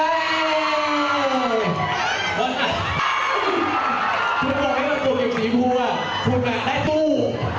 คุณบอกไงวันสุดอยู่สีพูอ่ะคุณแหละได้สู้